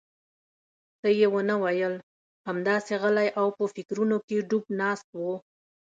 څه یې ونه ویل، همداسې غلی او په فکرونو کې ډوب ناست و.